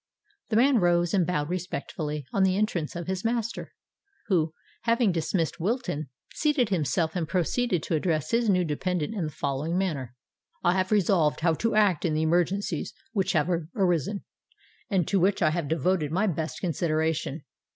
The man rose and bowed respectfully on the entrance of his master, who, having dismissed Wilton, seated himself and proceeded to address his new dependant in the following manner:— "I have resolved how to act in the emergencies which have arisen, and to which I have devoted my best consideration.